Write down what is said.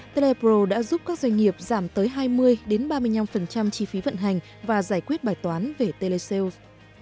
telepro đã giúp các doanh nghiệp giảm tới hai mươi ba mươi năm chi phí vận hành và giải quyết bài toán về telecell